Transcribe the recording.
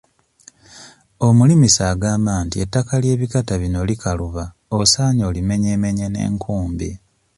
Omulimisa agamba nti ettaka ly'ebikata bino likaluba osaanye olimenyeemenye n'enkumbi.